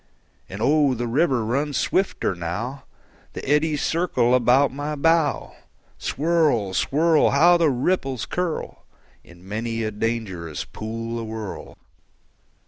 And oh, the river runs swifter now; The eddies circle about my bow. Swirl, swirl! How the ripples curl In many a dangerous pool awhirl!